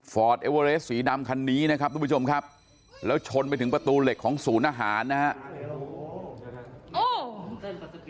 เอเวอเรสสีดำคันนี้นะครับทุกผู้ชมครับแล้วชนไปถึงประตูเหล็กของศูนย์อาหารนะครับ